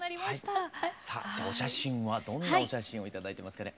さあじゃあお写真はどんなお写真を頂いてますかね？